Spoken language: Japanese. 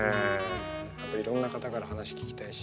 やっぱりいろんな方から話聞きたいし。